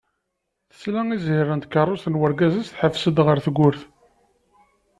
Tesla i zzhir n tkerrust n urgaz-is teḥbes-d ɣer tewwurt.